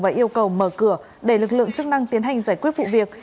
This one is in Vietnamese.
và yêu cầu mở cửa để lực lượng chức năng tiến hành giải quyết vụ việc